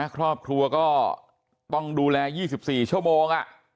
ครอบครัวก็ต้องดูแล๒๔ชั่วโมง